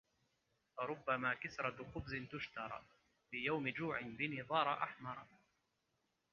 فربما كِسرةُ خبز تشترى في يوم جوع بنظار أحمرا